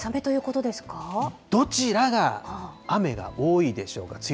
どちらが雨が多いでしょうか。